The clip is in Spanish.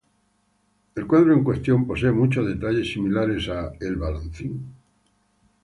El cuadro en cuestión posee muchos detalles similares a "El balancín".